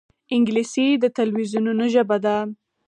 انګلیسي د تلویزونونو ژبه ده